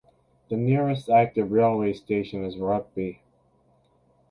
The nearest active railway station is Rugby.